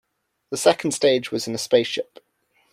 The second stage was in a spaceship.